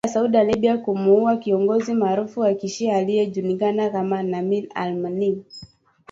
baada ya Saudi Arabia kumuua kiongozi maarufu wa kishia aliyejulikana kama Nimr al Nimr